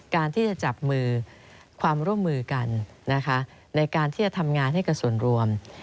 การที่จะจับมือความร่วมมือกันนะคะในการที่จะทำงานให้กับส่วนรวม